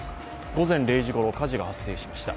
午前０時ごろ、火事が発生しました。